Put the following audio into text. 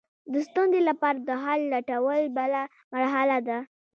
د ستونزې لپاره د حل لټول بله مرحله ده.